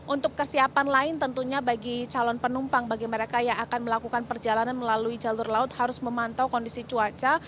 untuk kesiapan lain tentunya bagi calon penumpang bagi mereka yang akan melakukan perjalanan melalui jalur laut harus memantau kondisi cuaca